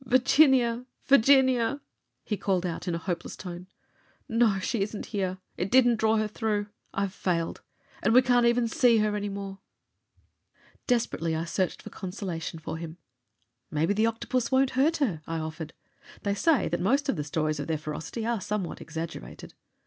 "Virginia! Virginia!" he called out, in a hopeless tone. "No, she isn't here. It didn't draw her through. I've failed. And we can't even see her any more!" Desperately I searched for consolation for him. "Maybe the octopus won't hurt her," I offered. "They say that most of the stories of their ferocity are somewhat exaggerated."